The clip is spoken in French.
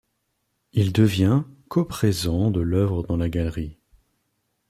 Il devient “ co-présent ” de l’œuvre dans la galerie.